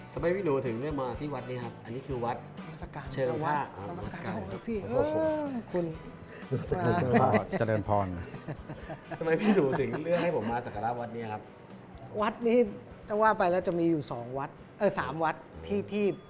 ทุกครับ